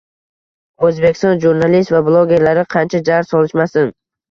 O‘zbekiston jurnalist va blogerlari qancha jar solishmasin